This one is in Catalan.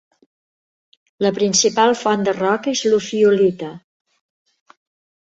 La principal font de roca és l'ofiolita.